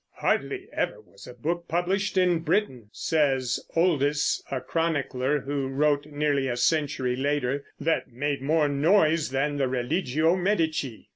"Hardly ever was a book published in Britain," says Oldys, a chronicler who wrote nearly a century later, "that made more noise than the Religio Medici."